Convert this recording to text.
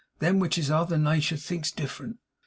Them which is of other naturs thinks different.